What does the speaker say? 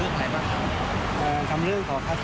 มันก็ยังอยากถามว่าทำไมต้องเป็นลูกของด้วย